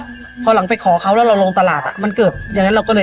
พอหลังไปขอเขาแล้วเราลงตลาดอ่ะมันเกิดอย่างนั้นเราก็เลย